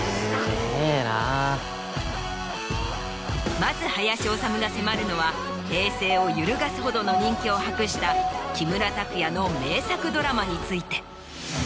まず林修が迫るのは平成を揺るがすほどの人気を博した木村拓哉の名作ドラマについて。